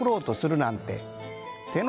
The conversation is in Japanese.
なんて